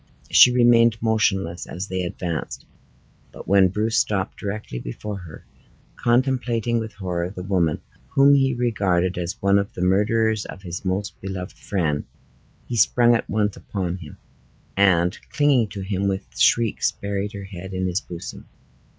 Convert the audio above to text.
She remained motionless as they advanced. But when Bruce stopped directly before her, contemplating with horror the woman whom he regarded as one of the murderers of his most beloved friend, she sprung at once upon him, and clinging to him, with shrieks buried her head in his bosom.